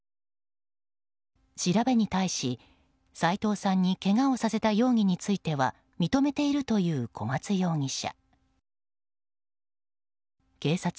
調べに対し斎藤さんにけがをさせた容疑については認めているという小松容疑者。